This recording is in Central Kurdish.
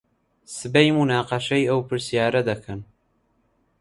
سبەی موناقەشەی ئەو پرسیارە دەکەن.